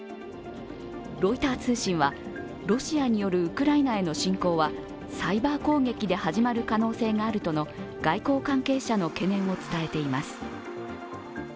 ロイター通信は、ロシアによるウクライナへの侵攻はサイバー攻撃で始まる可能性があるとの外交関係者の懸念を伝えています。